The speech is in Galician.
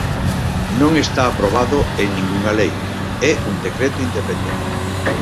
Non está aprobado en ningunha lei, é un decreto independente.